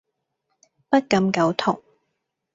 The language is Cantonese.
不敢苟同